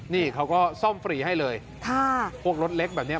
นี่เขาก็ซ่อมฟรีให้เลยค่ะพวกรถเล็กแบบเนี้ย